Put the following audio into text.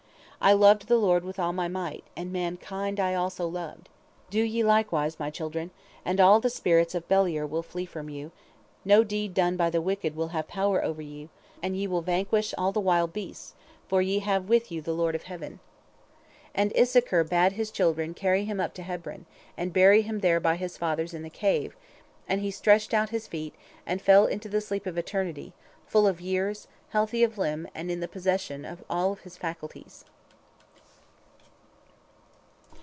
I loved the Lord with all my might, and mankind I also loved. Do ye likewise, my children, and all the spirits of Beliar will flee from you, no deed done by the wicked will have power over you, and ye will vanquish all the wild beasts, for ye have with you the Lord of heaven." And Issachar bade his children carry him up to Hebron, and bury him there by his fathers in the Cave, and he stretched out his feet, and fell into the sleep of eternity, full of years, healthy of limb, and in the possession of all his faculties.